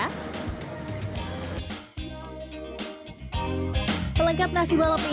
pelengkap nasi balap ini terdiri dari sayur buncis kering kentang ayam suir dan sambal yang suci